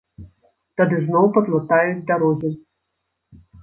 Тады зноў падлатаюць дарогі.